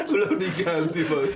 belum diganti pas ototnya